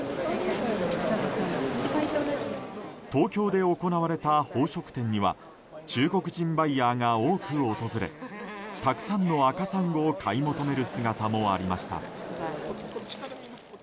東京で行われた宝飾展には中国人バイヤーが多く訪れたくさんの赤サンゴを買い求める姿もありました。